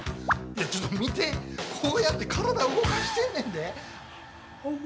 ちょっと、見て、こうやって体動かしてんねんで。